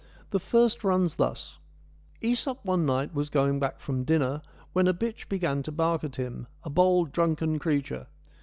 The first runs thus : JEsop one night was going back from dinner, when a bitch began to bark at him, a bold, drunken creature.